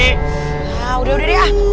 nah udah udah deh ah